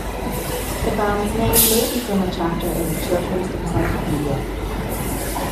The band's name may be from a chapter in a children's encyclopedia.